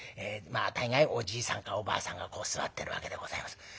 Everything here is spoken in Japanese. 大概おじいさんかおばあさんが座ってるわけでございます。